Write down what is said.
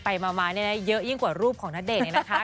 ไปมาเนี่ยนะเยอะยิ่งกว่ารูปของณเดชน์นะคะ